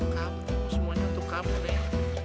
kamu semuanya untuk kamu nek